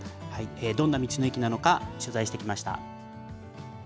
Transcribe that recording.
どんな道の駅なのか、取材してきました。